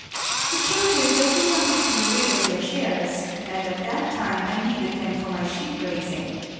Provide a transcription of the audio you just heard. The truth is that you wanted to be rid of your shares, and that at that time I needed them for my sheep raising.